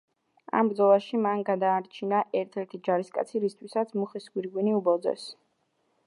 ამ ბრძოლაში მან გადაარჩინა ერთ-ერთი ჯარისკაცი, რისთვისაც მუხის გვირგვინი უბოძეს.